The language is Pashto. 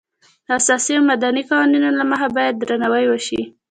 د اساسي او مدني قوانینو له مخې باید درناوی وشي.